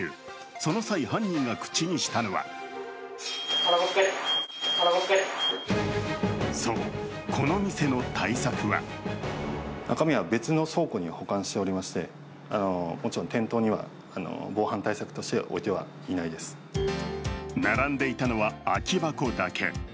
その際、犯人が口にしたのはそう、この店の対策は並んでいたのは空き箱だけ。